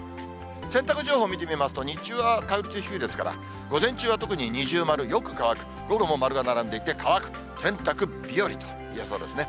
洗濯情報見てみますと、日中は回復しますから、午前中は特に二重丸、よく乾く、午後も丸が並んでいて乾く、洗濯日和といえそうですね。